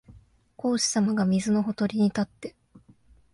孔子さまが水のほとりに立って、